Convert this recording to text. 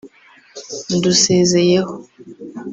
ndusezeyeho